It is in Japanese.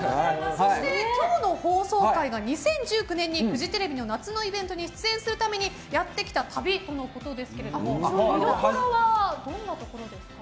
今日の放送回が２０１９年にフジテレビの夏のイベントに出演するためにやってきた旅ということですが見どころはどんなところですか。